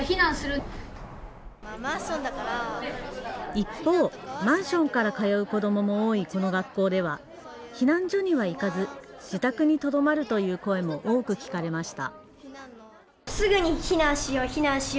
一方、マンションから通う子どもも多いこの学校では避難所には行かず自宅にとどまるという声も多く聞かれました。